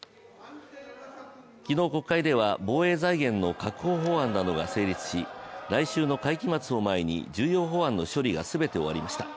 昨日、国会では防衛財源の確保法案などが成立し来週の会期末を前に重要法案の処理が全て終わりました。